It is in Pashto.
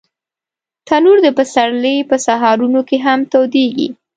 تنور د پسرلي په سهارونو کې هم تودېږي